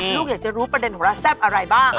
ลูกอยากจะรู้ประเด็นของเราแซ่บอะไรบ้าง